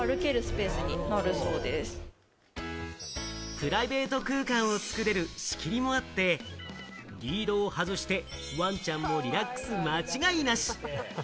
プライベート空間を作れる仕切りもあって、リードを外してわんちゃんもリラックス間違いなし。